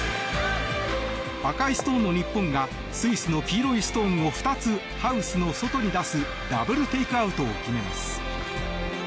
赤いストーンの日本がスイスの黄色いストーンをハウスの外に出すダブルテイクアウトを決めます。